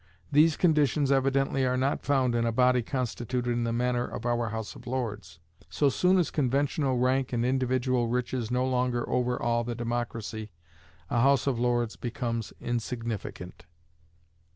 These conditions evidently are not found in a body constituted in the manner of our House of Lords. So soon as conventional rank and individual riches no longer overawe the democracy, a House of Lords becomes insignificant.